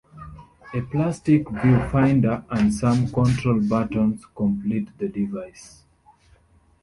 A plastic viewfinder and some control buttons complete the device.